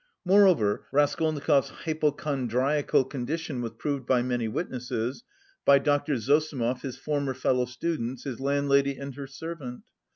Moreover Raskolnikov's hypochondriacal condition was proved by many witnesses, by Dr. Zossimov, his former fellow students, his landlady and her servant.